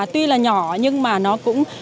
tuy là nhỏ nhưng mà nó cũng